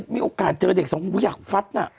มีโอกาสเจอเด็กสองคนก็อยากฟัดน่ะ